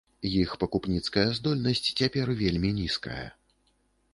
Іх пакупніцкая здольнасць цяпер вельмі нізкая.